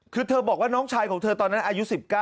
คือเธอบอกว่าน้องชายของเธอตอนนั้นอายุ๑๙